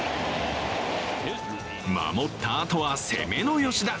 守ったあとは攻めの吉田。